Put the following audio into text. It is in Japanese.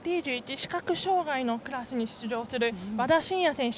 視覚障がいのクラスに出場する、和田伸也選手